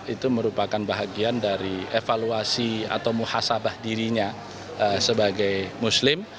itu merupakan bahagian dari evaluasi atau muhasabah dirinya sebagai muslim